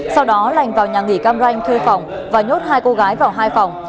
sau đó lành vào nhà nghỉ cam ranh thuê phòng và nhốt hai cô gái vào hai phòng